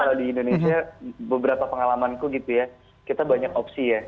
jadi di indonesia beberapa pengalamanku gitu ya kita banyak opsi ya